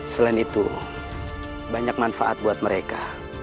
selain itu banyak manfaat buat mereka